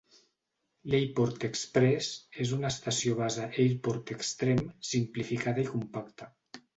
L'AirPort Express és una estació base AirPort Extreme simplificada i compacta.